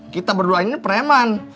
kita berduanya ini preman